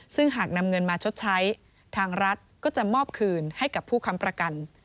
ซึ่งหากนำเงินมาชดใช้ทางรัฐก็จะมอบคืนให้กับผู้ค้ำประกัน